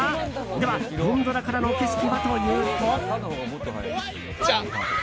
では、ゴンドラからの景色はというと。